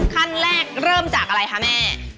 ขั้นแรกเริ่มจากอะไรคะแม่